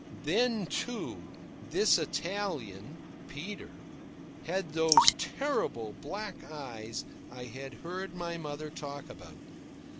Then, too, this Italian, Peter, had those terrible black eyes I had heard my mother talk about.